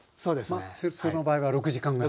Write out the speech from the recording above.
まあその場合は６時間ぐらい？